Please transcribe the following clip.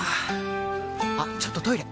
あっちょっとトイレ！